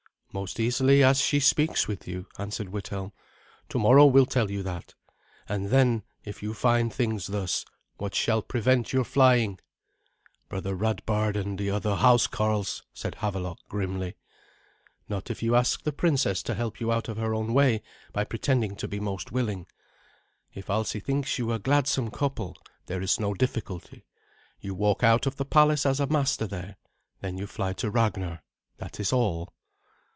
"Most easily, as she speaks with you," answered Withelm. "Tomorrow will tell you that. And then, if you find things thus, what shall prevent your flying?" "Brother Radbard and the other housecarls," said Havelok grimly. "Not if you ask the princess to help you out of her own way by pretending to be most willing. If Alsi thinks you a gladsome couple, there is no difficulty. You walk out of the palace as a master there. Then you fly to Ragnar. That is all."